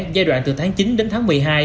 giai đoạn từ tháng chín đến tháng một mươi hai